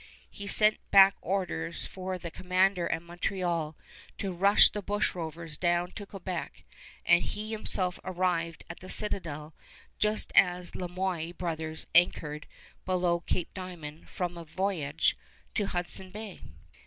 He sent back orders for the commander at Montreal to rush the bush rovers down to Quebec, and he himself arrived at the Citadel just as the Le Moyne brothers anchored below Cape Diamond from a voyage to Hudson Bay.